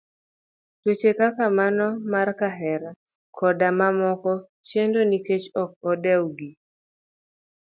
Tuoche kaka mano mar kahera koda mamoko chendo nikech ok odew gi.